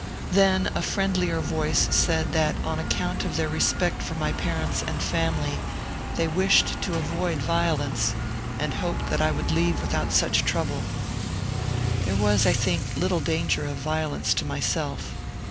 Then a friend lier voice said that on account of their respect for my parents and family they wished to avoid violence, and hoped that I would leave without such trouble. There was, I think, little danger of violence to myself.